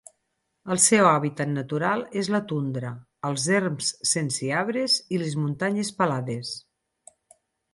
El seu hàbitat natural és la tundra, els erms sense arbres i les muntanyes pelades.